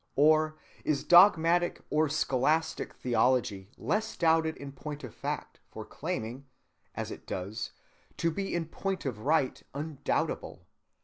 Or is dogmatic or scholastic theology less doubted in point of fact for claiming, as it does, to be in point of right undoubtable?